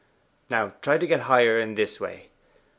'Now try to get higher in this way.